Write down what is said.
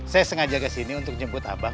saya sengaja kesini untuk jemput abah